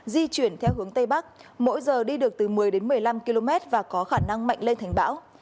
di chuyển theo hướng tây bắc mỗi giờ đi được từ một mươi đến một mươi năm km và có khả năng mạnh lên thành bão